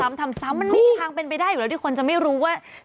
แล้วปุ๊กไม่ส่งของคนก็เลยเอ๊ะแล้วปุ๊กก็แบบว่าเรียกได้ว่ายังไงอ่ะหมองูตายพ่องูเหลือ